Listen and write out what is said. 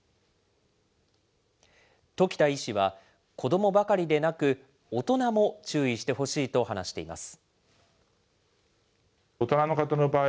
時田医師は、子どもばかりでなく、大人も注意してほしいと話しています。